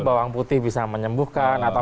bawang putih bisa menyembuhkan atau